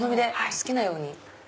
好きなように。